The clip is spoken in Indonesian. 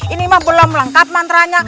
ini mah belum lengkap mantra nya